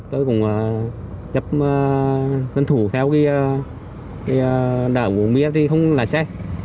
tôi cũng chấp tân thủ theo đảo vũng bia thì không lái xe